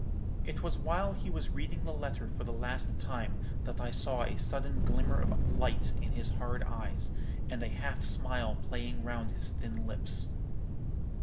It was while he was reading the letter for the last time that I saw a sudden glimmer of light in his hard eyes, and a half smile playing round his thin lips.